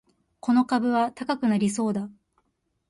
この株は高くなりそうだ